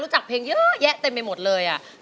จากเพลงเยอะแยะเต็มไปหมดเลย